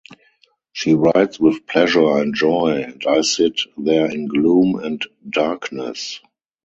She writes with pleasure and joy, and I sit there in gloom and darkness.